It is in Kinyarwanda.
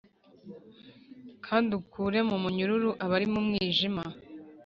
kandi ukure mu munyururu abari mu mwijima.